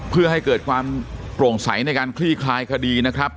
เพื่อให้เกิดความโปร่งใสในการคลี่คลายคดีนะครับ